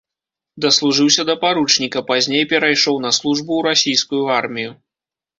Даслужыўся да паручніка, пазней перайшоў на службу ў расійскую армію.